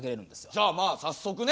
じゃあまあ早速ね